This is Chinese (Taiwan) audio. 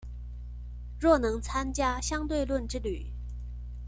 若能參加相對論之旅